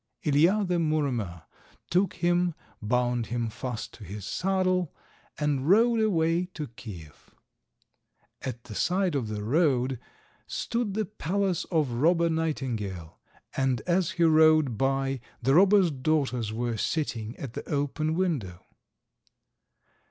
Ilija, the Muromer, took him, bound him fast to his saddle, and rode away to Kiev. At the side of the road stood the palace of Robber Nightingale, and as he rode by the robber's daughters were sitting at the open window.